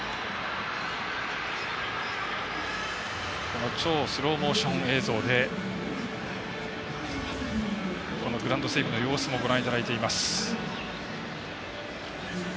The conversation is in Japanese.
この超スローモーション映像でこのグラウンドの整備の様子もご覧いただいております。